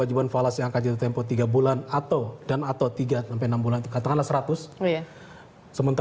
itu kami tetapkan rasio nya dua puluh